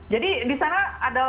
jadi di sana ada